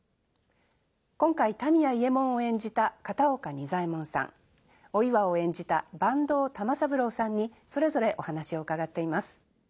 今回民谷伊右衛門を演じた片岡仁左衛門さんお岩を演じた坂東玉三郎さんにそれぞれお話を伺っています。